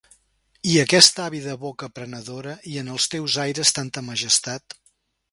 I aquesta àvida boca prenedora, i en els teus aires tanta majestat...